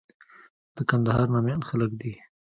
د کندهار ناميان خلک دي.